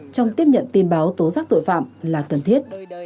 trong tiếp nhận tin báo tố giác tội phạm là cần thiết